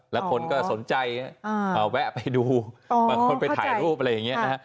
แล้วคนก็สนใจอ่าเอ่อแวะไปดูอ๋อบางคนไปถ่ายรูปอะไรอย่างเงี้ยนะฮะ